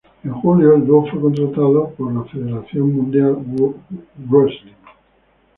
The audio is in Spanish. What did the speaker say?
En julio, el dúo fue contratado por la World Wrestling Federation.